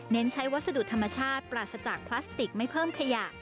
ใช้วัสดุธรรมชาติปราศจากพลาสติกไม่เพิ่มขยะ